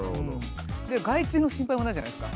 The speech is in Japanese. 害虫の心配もないじゃないですか。